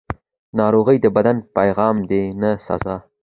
ناروغي د بدن پیغام دی، نه سزا.